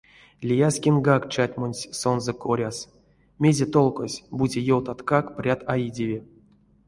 Лияскингак чатьмонсь сонзэ коряс: мезе толкось, бути ёвтаткак — прят а идеви.